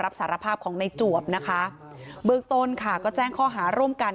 สารภาพของในจวบนะคะเบื้องต้นค่ะก็แจ้งข้อหาร่วมกัน